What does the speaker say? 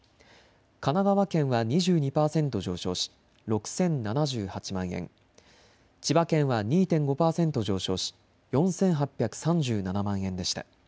神奈川県は２２％上昇し６０７８万円、千葉県は２．５％上昇し４８３７万円でした。